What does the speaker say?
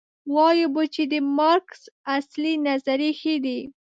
وایو به چې د مارکس اصلي نظریې ښې دي.